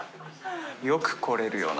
よく来れるよな。